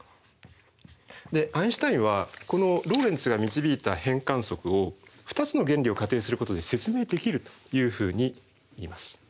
でアインシュタインはこのローレンツが導いた変換則を２つの原理を仮定することで説明できるというふうに言います。